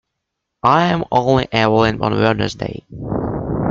I am only available on Wednesday.